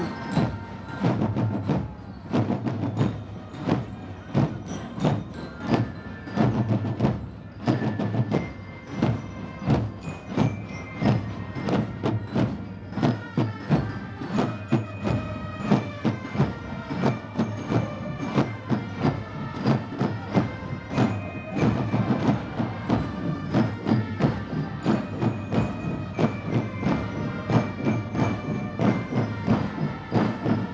dan pengundang tni dengan pembawa warga tni